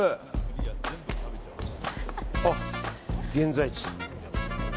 あ、現在地。